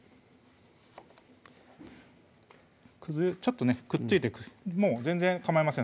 ちょっとねくっついてくるもう全然かまいません